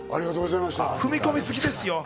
踏み込みすぎですよ！